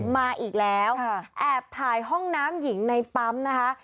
มาอีกแล้วแอบถ่ายห้องน้ำหญิงในปั๊มนะคะ